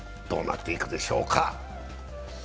どうなっていくでしょうか。